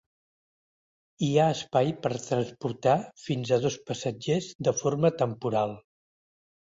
Hi ha espai per transportar fins a dos passatgers de forma temporal.